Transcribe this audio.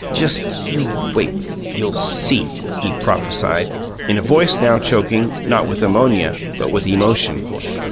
"Just you wait! You'll see!" he prophesied, in a voice now choking, not with ammonia, but with emotion.